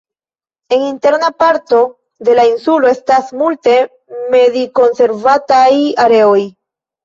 En interna parto de la insulo estas multe medikonservadaj areoj.